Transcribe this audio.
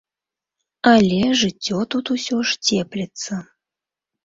Але жыццё тут усё ж цепліцца.